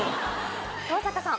登坂さん。